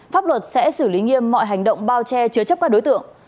pháp luật sẽ xử lý nghiêm mọi hành động bao che chứa chấp các đối tượng